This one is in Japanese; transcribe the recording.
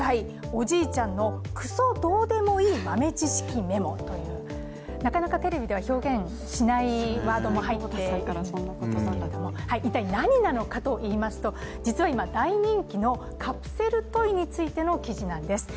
おじいちゃんのクソどうでもいい豆知識メモ」というなかなかテレビでは表現しないワードも入って一体何なのかといいますと実は今、大人気のカプセルトイについての記事なんです。